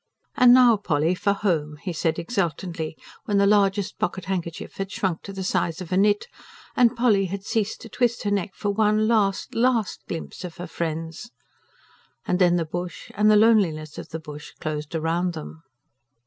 "And now, Polly, for home!" he said exultantly, when the largest pocket handkerchief had shrunk to the size of a nit, and Polly had ceased to twist her neck for one last, last glimpse of her friends. And then the bush, and the loneliness of the bush, closed round them.